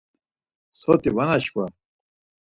Soti va naşkva!